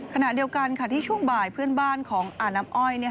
ขณะเดียวกันที่ช่วงบ่ายเพื่อนบ้านของอาน้ำอ้อย